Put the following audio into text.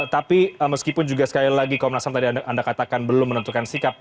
tapi meskipun juga sekali lagi komnas ham tadi anda katakan belum menentukan sikap